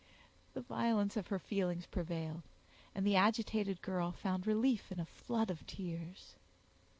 The violence of her feelings prevailed, and the agitated girl found relief in a flood of tears.